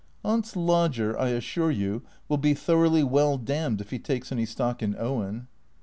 " Aunt's lodger, I assure you, will be thoroughly well damned if he takes any stock in Owen."